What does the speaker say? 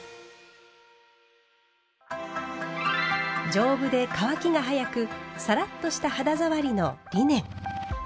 丈夫で乾きが早くサラッとした肌触りのリネン。